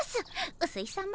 うすいさま